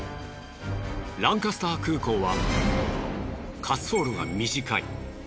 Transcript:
ランカスター空港は滑走路が短い。